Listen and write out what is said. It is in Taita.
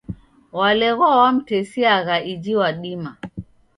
Waleghwa wamtesiagha iji wadima.